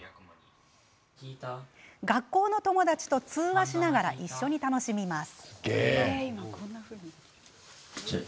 学校の友達と通話しながら一緒に楽しみます。